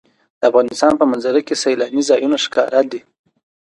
د افغانستان په منظره کې سیلانی ځایونه ښکاره ده.